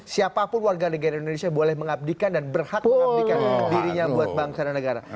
siapapun warga negara indonesia boleh mengabdikan dan berhak mengabdikan dirinya buat bangsa dan negara